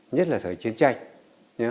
nhất là thời chiến tranh